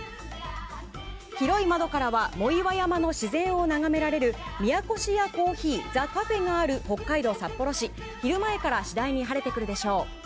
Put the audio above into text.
広い窓からは藻岩山の自然を眺められる宮越屋珈琲ＴＨＥＣＡＦＥがある北海道札幌市は昼前から次第に晴れてくるでしょう。